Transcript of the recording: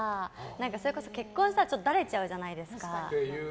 それこそ結婚したら、ちょっとだれちゃうじゃないですか。